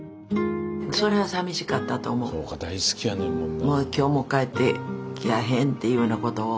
そうか大好きやねんもんな。